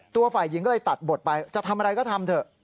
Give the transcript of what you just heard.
ฝ่ายหญิงก็เลยตัดบทไปจะทำอะไรก็ทำเถอะ